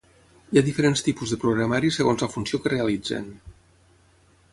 Hi ha diferents tipus de programari segons la funció que realitzen.